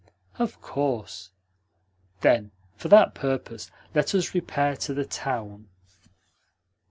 "Of course." "Then for that purpose let us repair to the town."